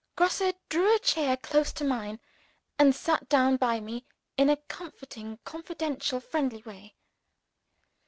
Grosse drew a chair close to mine, and sat down by me in a comforting confidential fatherly way.